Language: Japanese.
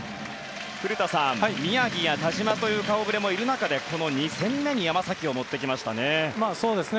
古田さん、宮城や田嶋という顔触れもいる中でこの２戦目に山崎を持ってきましたね。